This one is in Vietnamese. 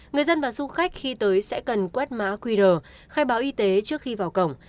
người dân và du khách khi tới sẽ cần quét mã qr khai báo y tế trước khi vào cổng